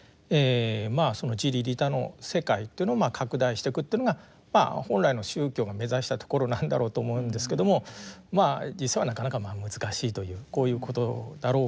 その自利利他の世界というのを拡大してくというのが本来の宗教が目指したところなんだろうと思うんですけども実はなかなか難しいというこういうことだろうかと思います。